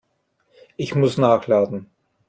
Ich muss nachladen.